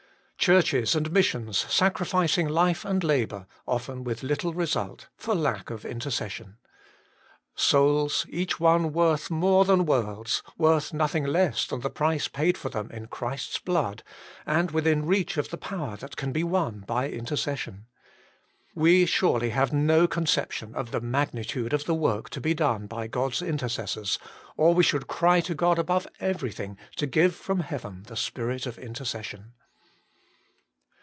Churches and missions sacrificing life and labour often with little result, for lack of intercession. Souls, each one worth more than worlds, worth nothing less than the price paid for them in Christ s blood, and within reach of the power that can be won by intercession. We surely have no conception of the magnitude of the work to be done by God s intercessors, or we should cry to God above everything to give from heaven the spirit of intercession.